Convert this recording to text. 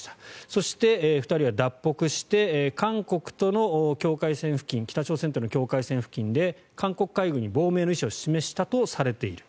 そして、２人は脱北して韓国と北朝鮮の境界線付近で韓国に亡命の意思を伝えたとしている。